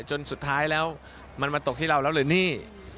จนสุดท้ายแล้วมันมาตกที่เราแล้วหรือนี่